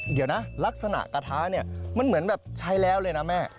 เดี๋ยวนะลักษณะกระทะเนี่ยมันเหมือนแบบใช้แล้วเลยนะแม่